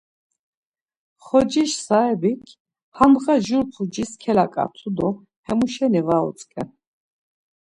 Xociş saebik, Handğa jur pucis kelaǩatu do hemuşe-ni var otzken.